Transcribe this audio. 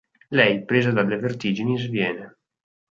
Lei, presa dalle vertigini, sviene.